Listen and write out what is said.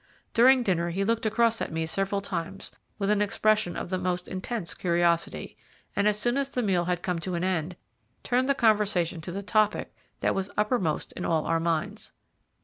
During dinner he looked across at me several times with an expression of the most intense curiosity, and as soon as the meal had come to an end, turned the conversation to the topic that was uppermost in all our minds.